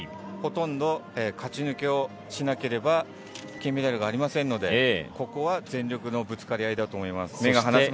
ほとんど勝ち抜けをしなければ金メダルがありませんのでここは全力のぶつかり合いだと思います。